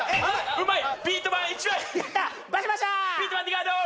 うまい！